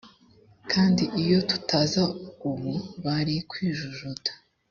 kandi iyo tutaza ubu bari kwijujuta